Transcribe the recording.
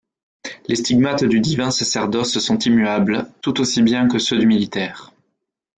Les stigmates du divin sacerdoce sont immuables, tout aussi bien que ceux du militaire.